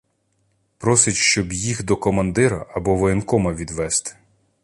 Просить, щоб їх до командира або воєнкома відвести.